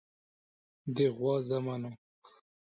د غوا زامنو.